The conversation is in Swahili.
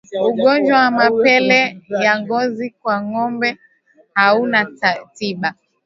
Ugonjwa wa mapele ya ngozi kwa ngombe hauna tiba